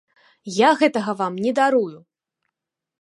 Я гэтага вам не дарую!